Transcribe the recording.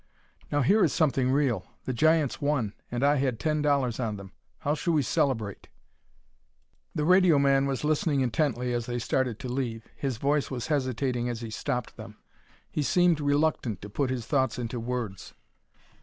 Now here is something real: the Giants won, and I had ten dollars on them. How shall we celebrate?" The radio man was listening intently as they started to leave. His voice was hesitating as he stopped them; he seemed reluctant to put his thoughts into words.